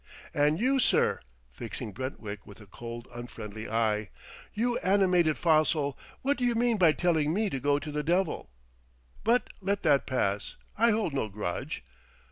And you, sir!" fixing Brentwick with a cold unfriendly eye. "You animated fossil, what d'you mean by telling me to go to the devil?... But let that pass; I hold no grudge.